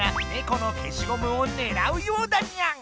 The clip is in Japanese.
このけしゴムをねらうようだニャン！